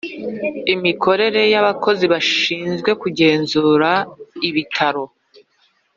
imikorere y abakozi bashinzwe kugenzura ibitaro